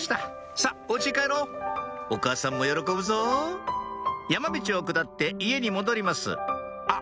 さっお家へ帰ろうお母さんも喜ぶぞ山道を下って家に戻りますあっ